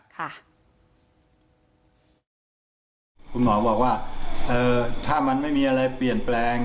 คุณหมอบอกว่าถ้ามันไม่มีอะไรเปลี่ยนแปลง